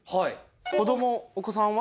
子供お子さんは？